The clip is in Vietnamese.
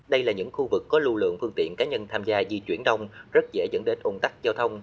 đây là những khu vực có lưu lượng phương tiện cá nhân tham gia di chuyển đông rất dễ dẫn đến ủng tắc giao thông